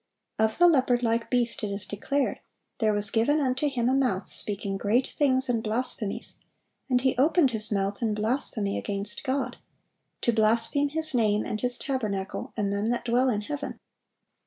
Of the leopard like beast it is declared: "There was given unto him a mouth speaking great things and blasphemies.... And he opened his mouth in blasphemy against God, to blaspheme His name, and His tabernacle, and them that dwell in heaven.